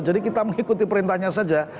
jadi kita mengikuti perintahnya saja